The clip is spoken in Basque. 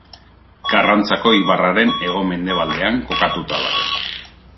Karrantzako ibarraren hego-mendebaldean kokatuta dago.